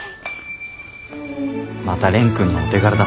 また蓮くんのお手柄だ。